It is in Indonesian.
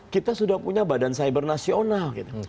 kita sudah punya badan cyber nasional